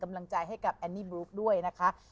กำลังใจให้กับแอนนี่บลูฟด้วยนะคะ